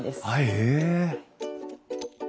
へえ。